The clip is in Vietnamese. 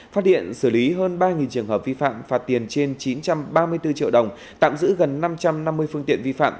phát hiện xử lý hơn ba trường hợp vi phạm phạt tiền trên chín trăm ba mươi bốn triệu đồng tạm giữ gần năm trăm năm mươi phương tiện vi phạm